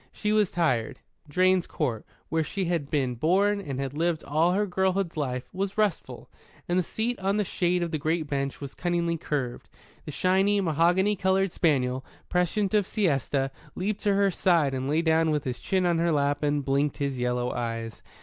She was tired; Drane's Court, where she had been born and had lived all her girlhood's life, was restful; and the seat in the shade of the great beech was cunningly curved. The shiny, mahogany coloured spaniel, prescient of siesta, leaped to her side and lay down with his chin on her lap and blinked his yellow eyes.